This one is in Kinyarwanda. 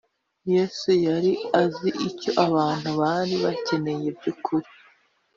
yesu yari azi icyo abantu bari bakeneye by’ ukuri